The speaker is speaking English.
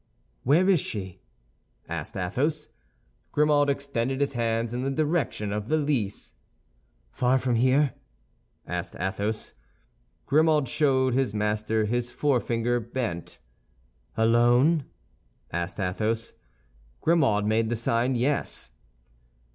"Where is she?" asked Athos. Grimaud extended his hands in the direction of the Lys. "Far from here?" asked Athos. Grimaud showed his master his forefinger bent. "Alone?" asked Athos. Grimaud made the sign yes.